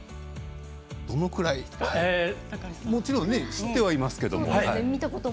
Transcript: どのくらいもちろん知ってはいるんですけど。